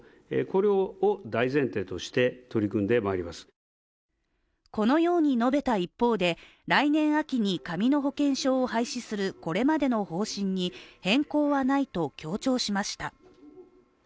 今日、岸田総理はこのように述べた一方で、来年秋に紙の保険証を廃止するこれまでの方針に変更はないと強調しました。